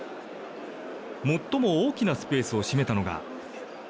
最も大きなスペースを占めたのが。